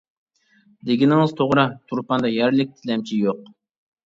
دېگىنىڭىز توغرا، تۇرپاندا يەرلىك تىلەمچى يوق.